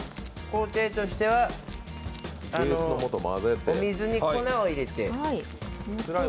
工程としてはお水に粉を入れて。